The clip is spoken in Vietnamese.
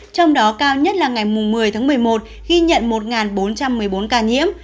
trong đó cao nhất là ngày một mươi tháng một mươi một ghi nhận một bốn trăm một mươi bốn ca nhiễm